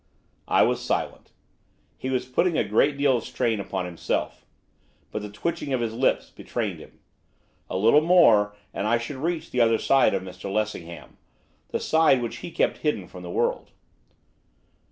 I was silent. He was putting a great strain upon himself, but the twitching of his lips betrayed him. A little more, and I should reach the other side of Mr Lessingham, the side which he kept hidden from the world.